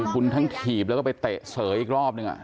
คุณทั้งถีบแล้วก็ไปเตะเสยอีกรอบหนึ่ง